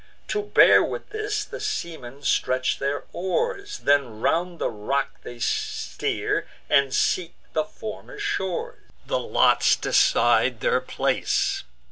To bear with this, the seamen stretch their oars; Then round the rock they steer, and seek the former shores. The lots decide their place.